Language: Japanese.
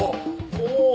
お。